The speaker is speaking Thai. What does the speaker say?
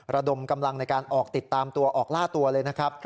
ระดมกำลังในการออกติดตามตัวออกล่าตัวเลยนะครับ